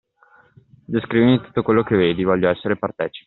Descrivimi tutto quello che vedi, voglio essere partecipe.